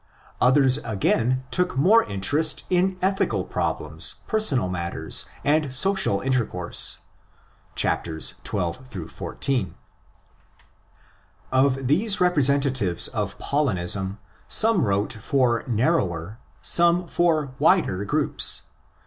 Others, again, took more interest in ethical problems, personal matters, and social intercourse (xii.—xiv.). Of these representatives of Paulinism some wrote for narrower, some for wider, groups.